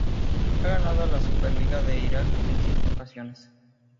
Ha ganado la Super Liga de Irak en cinco ocasiones.